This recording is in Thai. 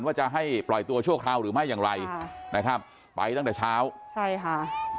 ว่าจะให้ปล่อยตัวชั่วคราวหรือไม่อย่างไรค่ะนะครับไปตั้งแต่เช้าใช่ค่ะ